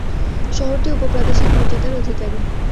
শহরটি উপ-প্রাদেশিক মর্যাদার অধিকারী।